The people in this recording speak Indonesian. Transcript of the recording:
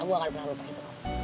aku gak akan pernah lupa itu kok